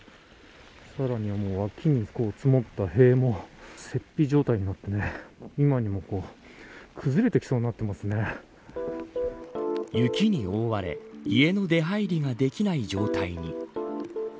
さらには脇に積もった塀も雪状態になって今にも雪に覆われ家の出入りができない状態に。